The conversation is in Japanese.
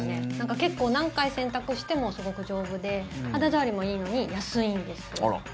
結構、何回洗濯しても丈夫で肌触りもいいのに安いんです。